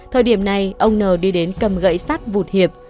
thời điểm này ông n đi đến cầm gậy sắt vụt hiệp